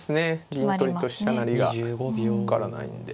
銀取りと飛車成りが受からないんで。